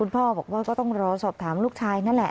พ่อบอกว่าก็ต้องรอสอบถามลูกชายนั่นแหละ